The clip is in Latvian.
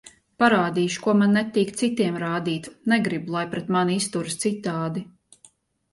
Parādīšu, ko man netīk citiem rādīt, negribu, lai pret mani izturas citādi.